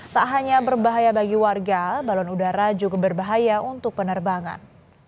tak hanya berbahaya bagi warga balon udara cukup berbahaya untuk penerbangan